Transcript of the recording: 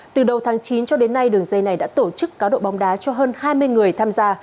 từ đầu tháng chín cho đến nay đường dây này đã tổ chức cá độ bóng đá cho hơn hai mươi người tham gia